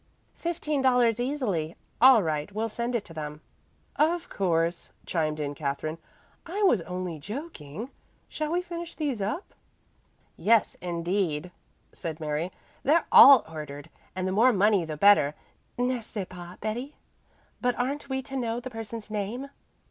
"Fifteen dollars easily. All right; we'll send it to them." "Of course," chimed in Katherine. "I was only joking. Shall we finish these up?" "Yes indeed," said Mary, "they're all ordered, and the more money the better, n'est ce pas, Betty? But aren't we to know the person's name?"